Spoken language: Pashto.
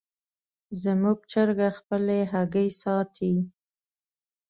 زموږ چرګه خپلې هګۍ ساتي.